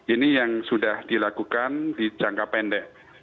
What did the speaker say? ini yang sudah dilakukan di jangka pendek